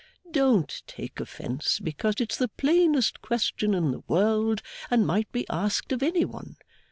Don't take offence, because it's the plainest question in the world, and might be asked of any one.